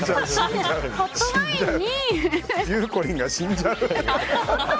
ゆうこりんが死んじゃう。